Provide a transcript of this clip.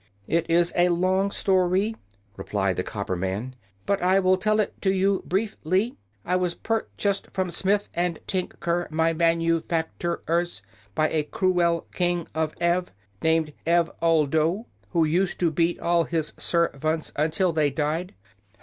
"It is a long sto ry," replied the copper man; "but I will tell it to you brief ly. I was pur chased from Smith & Tin ker, my man u fac tur ers, by a cru el King of Ev, named Ev ol do, who used to beat all his serv ants un til they died.